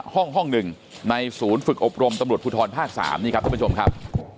ห้องหนึ่งในศูนย์ฝึกอบรมตำรวจภูทรภาค๓นี่ครับท่านผู้ชมครับ